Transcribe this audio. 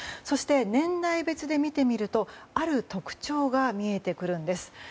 そして、年代別で見てみるとある特徴が見えてくるんです。